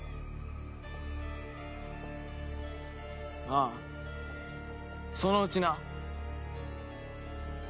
ああそのうちな。